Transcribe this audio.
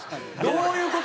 「どういう事？」